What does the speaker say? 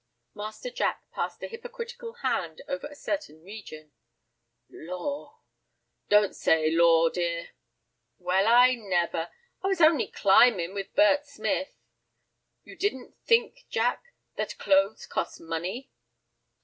Master Jack passed a hypocritical hand over a certain region. "Lor!" "Don't say 'lor,' dear." "Well, I never! I was only climbin' with Bert Smith." "You don't think, Jack, that clothes cost money."